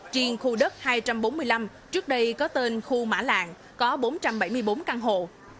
trên khu đất hai trăm bốn mươi năm trước đây có tên khu mã lạng có bốn trăm bảy mươi bốn căn hộ